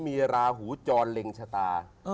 มีราหูจรเล็งชะตา